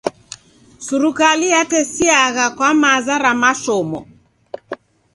Surukale yatesiagha kwa maza ra mashomo.